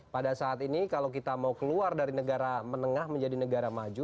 pada saat ini kalau kita mau keluar dari negara menengah menjadi negara maju